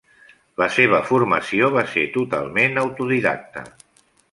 La seva formació va ser totalment autodidacta.